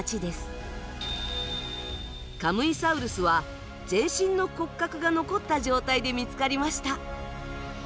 カムイサウルスは全身の骨格が残った状態で見つかりました。